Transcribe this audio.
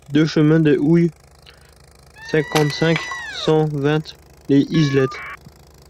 deux chemin des Houys, cinquante-cinq, cent vingt, Les Islettes